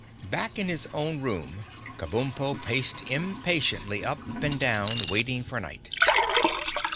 Back in his own room, Kabumpo paced impatiently up and down, waiting for night.